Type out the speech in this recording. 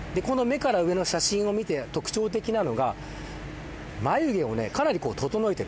目から上の写真を見て特徴的なのが眉毛をかなり整えている。